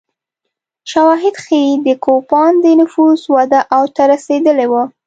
شواهد ښيي د کوپان د نفوس وده اوج ته رسېدلې وه